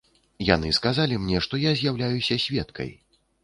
Яны сказалі мне, што я з'яўляюся сведкай.